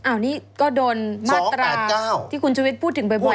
อันนี้ก็โดนมาตราที่คุณชุวิตพูดถึงบ่อย